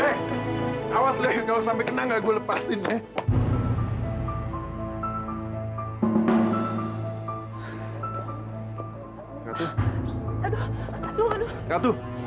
eh awas lea kalo sampe kena gak gue lepasin ya